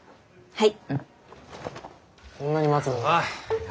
はい！